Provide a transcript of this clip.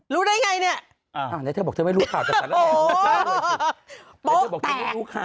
รู้ได้ไงน่ะ